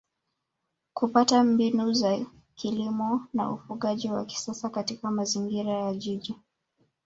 kupata mbinu za kilimo na ufugaji wa kisasa katika mazingira ya Jiji